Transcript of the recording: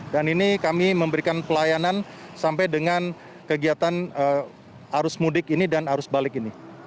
dan ini kami memberikan pelayanan sampai dengan kegiatan arus mudik ini dan arus balik ini